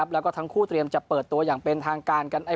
แล้วก็ทั้งคู่เตรียมจะเปิดตัวอย่างเป็นทางการกัน